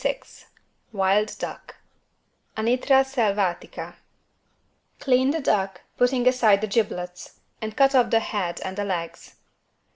46 WILD DUCK (Anitra selvatica) Clean the duck, putting aside the giblets, and cut off the head and legs.